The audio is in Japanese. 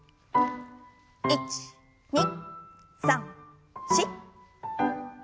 １２３４。